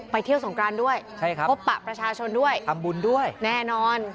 เที่ยวสงกรานด้วยใช่ครับพบปะประชาชนด้วยทำบุญด้วยแน่นอน